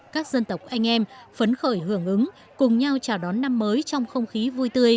các dân tộc anh em phấn khởi hưởng ứng cùng nhau chào đón năm mới trong không khí vui tươi